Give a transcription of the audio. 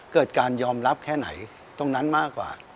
เกิดการยอมรับแค่ไหนตรงนั้นมากกว่า